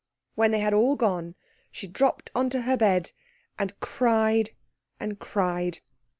When they had all gone, she dropped on to her bed, and cried, and cried.